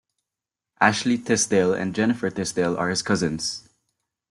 Ashley Tisdale and Jennifer Tisdale are his cousins.